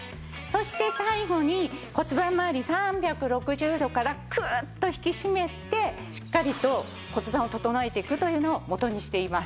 そして最後に骨盤まわり３６０度からクーッと引き締めてしっかりと骨盤を整えていくというのを元にしています。